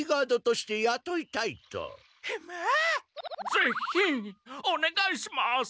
ぜひおねがいします！